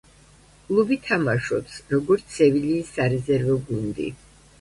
კლუბი თამაშობს, როგორც „სევილიის“ სარეზერვო გუნდი.